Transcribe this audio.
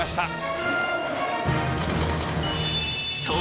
［そう。